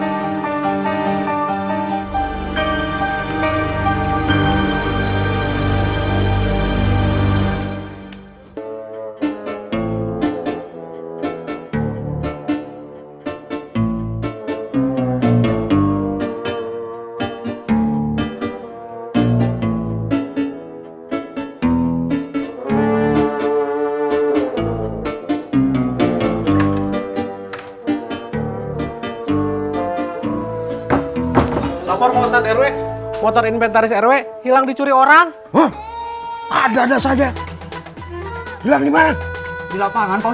assalamualaikum warahmatullahi wabarakatuh